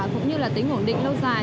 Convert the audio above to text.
cũng như là tính ổn định lâu dài